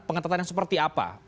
pengetatan yang seperti apa